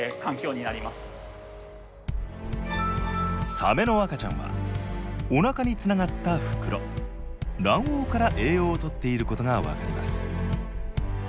サメの赤ちゃんはおなかにつながった袋卵黄から栄養をとっていることが分かります。